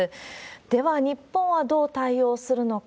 では日本はどう対応するのか。